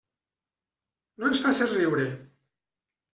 No ens faces riure!